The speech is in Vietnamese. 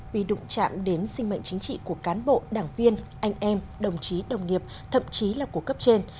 vì đụng chạm đến sinh mệnh chính trị của cán bộ đảng viên anh em đồng chí đồng nghiệp thậm chí là của cấp trên